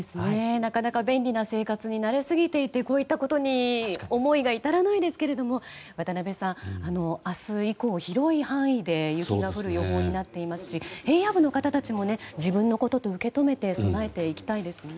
なかなか便利な生活に慣れすぎていてこういったことに思いが至らないですけれども渡辺さん明日以降、広い範囲で雪が降る予報になっていますし平野部の方たちも自分のことと受け止めて備えていきたいですよね。